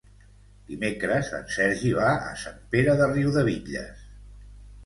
Dimecres en Sergi va a Sant Pere de Riudebitlles.